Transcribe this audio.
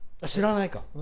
知らないか。